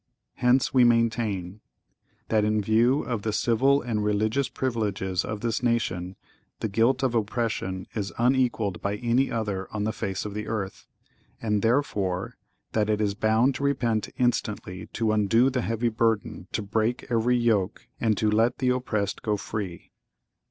(¶ 9) Hence we maintain— (¶ 10) That in view of the civil and religious privileges of this nation, the guilt of oppression is unequalled by any other on the face of the earth;—and, therefore, (¶ 11) That it is bound to repent instantly, to undo the heavy burden, to break every yoke, and to let the oppressed go free.